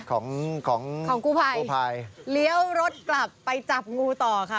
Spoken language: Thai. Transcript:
ของกูภัยเลี่ยวรถกลับไปจับงูต่อค่ะ